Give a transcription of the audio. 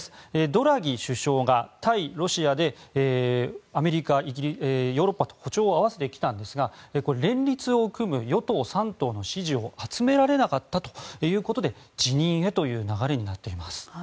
ドラギ首相が対ロシアでアメリカ、ヨーロッパと歩調を合わせてきたんですが連立を組む与党３党の支持を集められなかったということで辞任へという流れになっています。